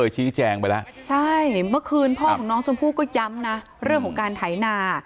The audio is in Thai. ใช่เมื่อคืนพ่อของน้องชมพู่ก็ย้ำนะเรื่องของการถ่ายนา